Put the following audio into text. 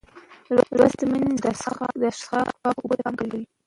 لوستې میندې د څښاک پاکو اوبو ته پام کوي.